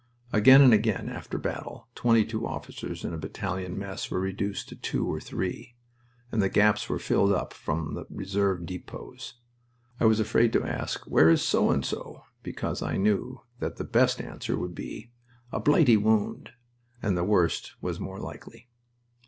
Again and again, after battle, twenty two officers in a battalion mess were reduced to two or three, and the gaps were filled up from the reserve depots. I was afraid to ask, "Where is So and so?" because I knew that the best answer would be, "A Blighty wound," and the worst was more likely.